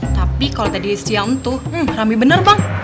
tapi kalau tadi siang tuh rame benar bang